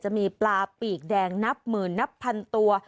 จะมีปลาปีกแดงนับหมื่นนับพันตัว